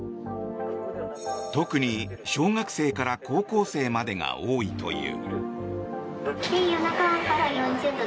特に小学生から高校生までが多いという。